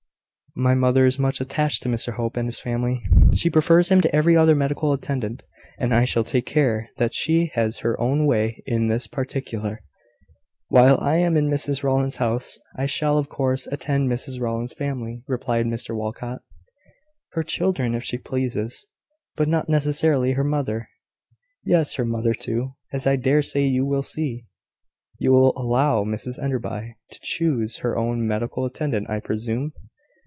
My mother is much attached to Mr Hope and his family; she prefers him to every other medical attendant; and I shall take care that she has her own way in this particular." "While I am in Mrs Rowland's house, I shall, of course, attend Mrs Rowland's family," replied Mr Walcot. "Her children, if she pleases; but not necessarily her mother." "Yes; her mother too, as I dare say you will see." "You will allow Mrs Enderby to choose her own medical attendant, I presume?"